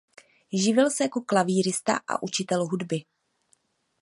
Živil se jako klavírista a učitel hudby.